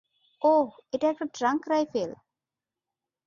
ওহ, এটা একটা trunk rifle.